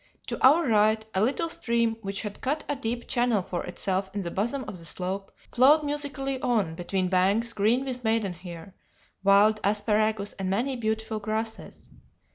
To our right a little stream, which had cut a deep channel for itself in the bosom of the slope, flowed musically on between banks green with maidenhair, wild asparagus, and many beautiful grasses.